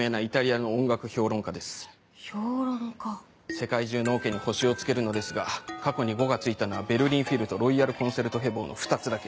世界中のオケに星をつけるのですが過去に５がついたのはベルリンフィルとロイヤル・コンセルトヘボウの２つだけ。